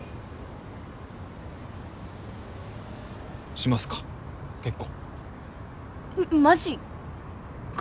しますか結婚マジか？